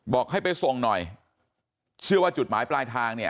บอกให้ไปส่งหน่อยเชื่อว่าจุดหมายปลายทางเนี่ย